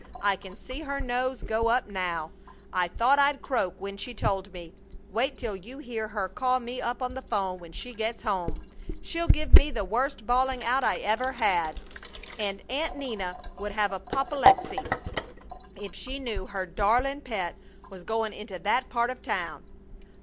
I can see her nose go up now. I thought I'd croak when she told me! Wait till you hear her call me up on the 'phone when she gets home! She'll give me the worst balling out I ever had! And Aunt Nina would have apoplexy if she knew her 'darlin' pet' was going into that part of town!